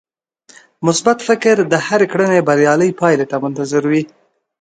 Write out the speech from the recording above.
مثبت فکر د هرې کړنې بريالۍ پايلې ته منتظر وي.